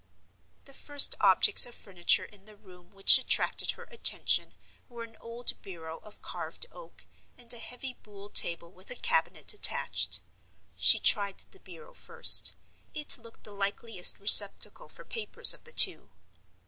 The first objects of furniture in the room which attracted her attention were an old bureau of carved oak, and a heavy buhl table with a cabinet attached. She tried the bureau first; it looked the likeliest receptacle for papers of the two.